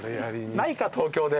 ないか東京で。